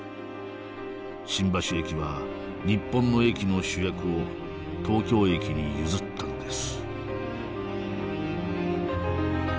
新橋駅は日本の駅の主役を東京駅に譲ったのです